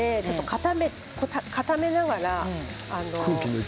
固めながら。